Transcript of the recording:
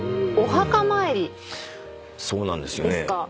そうなんですよね。